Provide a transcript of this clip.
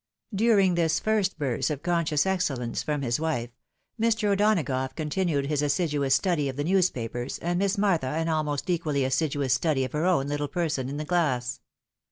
" During this first burst of conscious excellence from his wife, Mr. O'Donagough continued his assiduous study of the news papers, and Miss Martha an almost equally assiduous study of her own Httle person in the glass.